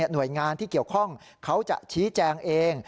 หน่วยงานที่เกี่ยวข้องเขาจะชี้แจงเอง